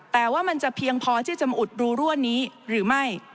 แต่ว่ามันจะเพียงพอที่จะมาอุดรูรั่วนี้หรือไม่